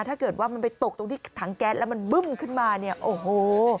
ถ้าเกิดว่ามันไปตกตรงที่ถังแก๊สแล้วมันบึ้มขึ้นมาเนี่ยโอ้โห